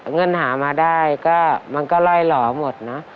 เงินหามาได้ก็มันก็ล่อยหล่อหมดนะ